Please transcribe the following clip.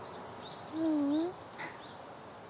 ううん。